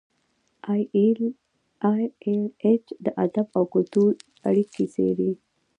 ای ایل ایچ د ادب او کلتور اړیکې څیړي.